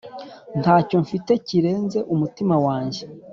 Ntacyo mfite kirenze umutima wanjye